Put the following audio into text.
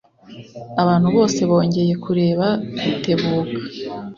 Abantu bose bongeye kureba Rutebuka.